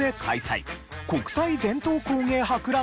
国際伝統工芸博覧会など。